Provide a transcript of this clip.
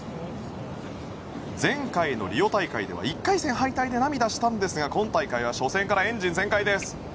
前回のリオ大会では１回戦敗退で涙したんですが今大会は初戦からエンジン全開です。